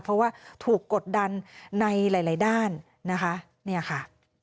เพราะว่าถูกกดดันในหลายด้านนะคะเนี่ยค่ะ